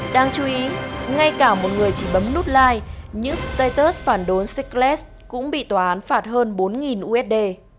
đáng chú ý ngay cả một người chỉ bấm nút like những staytus phản đối schclas cũng bị tòa án phạt hơn bốn usd